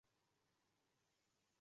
其上可以装备不同的范数。